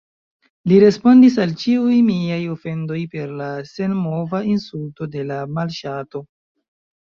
Li respondis al ĉiuj miaj ofendoj per la senmova insulto de la malŝato.